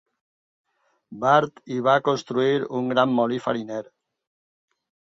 Ward hi va construir un gran molí fariner.